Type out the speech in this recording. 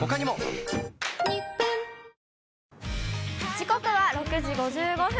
時刻は６時５５分。